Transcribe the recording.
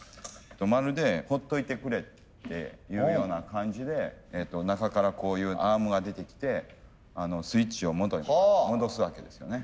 まるでほっといてくれっていうような感じで中からこういうアームが出てきてスイッチを元に戻すわけですよね。